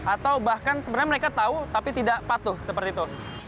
atau bahkan sebenarnya mereka tahu tapi tidak patuh seperti itu